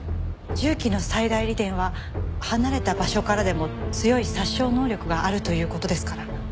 銃器の最大利点は離れた場所からでも強い殺傷能力があるという事ですから。